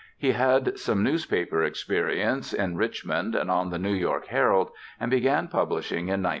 He had some newspaper experience in Richmond and on the New York Herald, and began publishing in 1904.